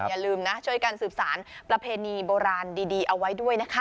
อย่าลืมนะช่วยกันสืบสรรประเพณีโบราณดี